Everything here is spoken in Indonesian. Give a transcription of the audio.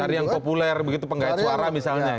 hari yang populer begitu penggait suara misalnya